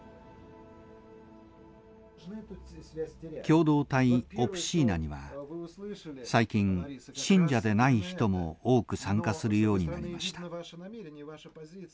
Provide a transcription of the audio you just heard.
共同体オプシーナには最近信者でない人も多く参加するようになりました。